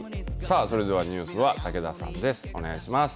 それではニュースは、武田さんです。